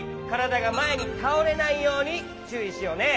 がまえにたおれないようにちゅういしようね。